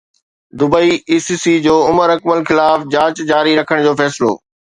Dubai I C C جو عمر اڪمل خلاف جاچ جاري رکڻ جو فيصلو